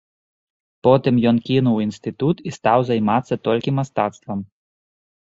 Потым ён кінуў інстытут і стаў займацца толькі мастацтвам.